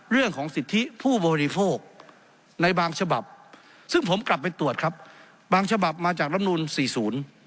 เรื่องของสิทธิผู้บริโภคในบางฉบับซึ่งผมกลับไปตรวจครับบางฉบับมาจากลำนูลสี่ศูนย์